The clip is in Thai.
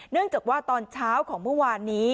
เนื่องจากว่าตอนเช้าของเมื่อวานนี้